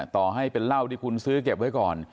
ต่อให้เป็นเหล้าที่คุณซื้อเก็บไว้ก่อน